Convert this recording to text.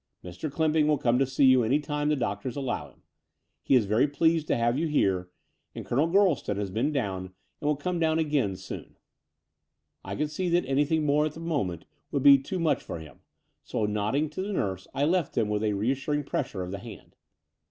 Mr. Clymping will come to see you any time the doctors allow him. He is very pleased to have you here: and Colonel Gorleston has been down and will come down again soon." I could see that anything more at the moment would be too much for him; so, nodding to the nurse, I left him with a reassuring pressure of the hand.